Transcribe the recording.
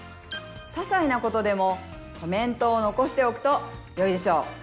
ささいなことでもコメントを残しておくとよいでしょう。